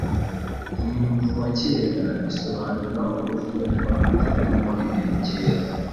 Umuntu wa kera” bisobanura uburyo twakoragamo ibintu kera.